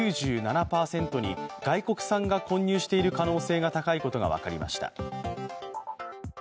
９７％に外国産が混入している可能性が高いことが分かりました。